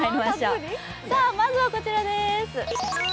まずはこちらです。